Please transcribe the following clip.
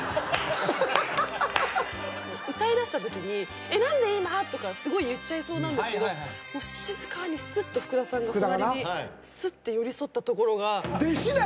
歌いだしたときに「何で今？」とかすごい言っちゃいそうなんですけど静かにすっと福田さんが隣にすって寄り添ったところが。